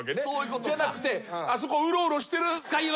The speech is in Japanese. じゃなくてあそこうろうろしてる。